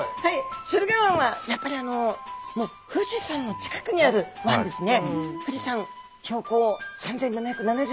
駿河湾はやっぱり富士山の近くにある湾ですね。